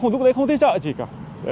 lúc đấy không thấy sợ gì cả